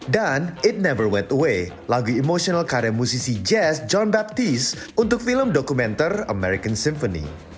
dan it never wet away lagu emosional karya musisi jazz john baptiste untuk film dokumenter american symphony